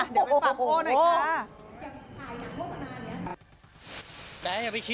เดี๋ยวไปฟังโอ้หน่อยค่ะ